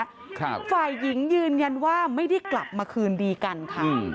ครับฝ่ายหญิงยืนยันว่าไม่ได้กลับมาคืนดีกันค่ะอืม